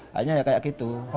hanya kayak gitu